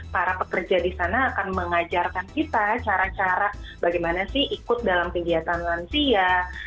para pekerja di sana akan mengajarkan kita cara cara bagaimana sih ikut dalam kegiatan lansia